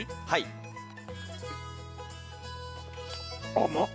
甘っ！